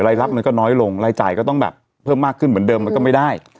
รายรับมันก็น้อยลงรายจ่ายก็ต้องแบบเพิ่มมากขึ้นเหมือนเดิมมันก็ไม่ได้